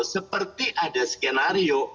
seperti ada skenario